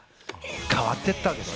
変わっていったわけです。